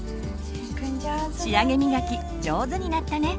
仕上げみがき上手になったね！